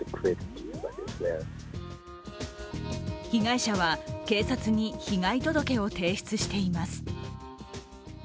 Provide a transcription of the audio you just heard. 被害者は警察に被害届を提出しています。